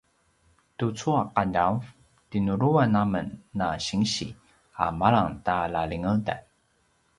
tucu a qadav tinuluan amen na sinsi a malang ta lalingedan